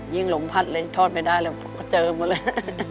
ยิ่งหลงพัดเลยทอดไม่ได้เลยเจอหมดเลย